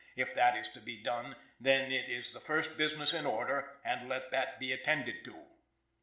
If that is to be done then it is the first business in order, and let that be attended to.'